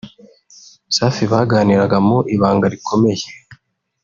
Safi baganiraga mu ibanga rikomeye